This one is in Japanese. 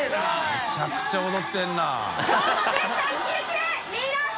めちゃくちゃ踊ってるな。